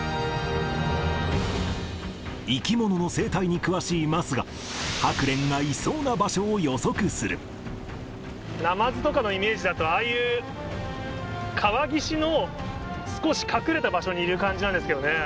生き物の生態に詳しい桝が、ハクレンがいそうな場所を予測すナマズとかのイメージだと、ああいう川岸の少し隠れた場所にいる感じなんですけどね。